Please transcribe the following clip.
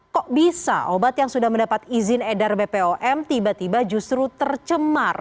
kok bisa obat yang sudah mendapat izin edar bpom tiba tiba justru tercemar